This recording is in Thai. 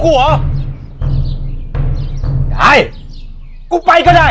พ่อจ๋าพ่อจะไปไหนพ่อเก็บซื้อผ้าน้ำไม